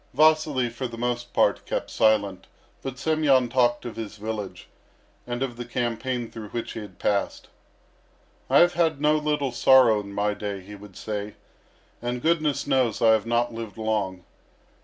Vasily, for the most part, kept silent, but Semyon talked of his village, and of the campaign through which he had passed. "I have had no little sorrow in my day," he would say; "and goodness knows I have not lived long.